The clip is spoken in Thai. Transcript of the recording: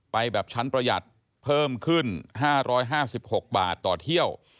ไปแบบชั้นประหยัดเพิ่มขึ้น๕๕๖บาทต่อเที่ยว